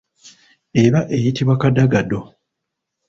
Eba eyitibwa kadagado.